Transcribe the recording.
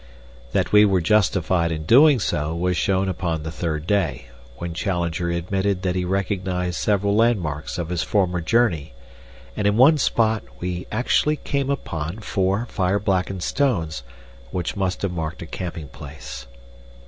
That we were justified in doing so was shown upon the third day, when Challenger admitted that he recognized several landmarks of his former journey, and in one spot we actually came upon four fire blackened stones, which must have marked a camping place.